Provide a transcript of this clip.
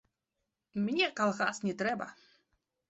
Мне калгас не трэба.